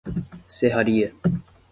Serraria